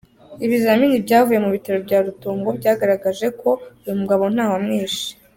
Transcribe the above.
Ibizamini byavuye mu bitaro bya Rutongo byagaragaje ko uyu mugabo ntawamwishe.